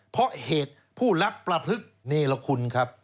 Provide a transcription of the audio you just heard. เพราะเหตุผู้รับประพฤกษ์เนรคุณครับ